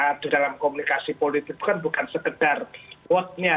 nah di dalam komunikasi politik bukan sekedar whatnya